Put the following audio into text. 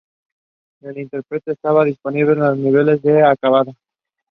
The site then solicited user donations.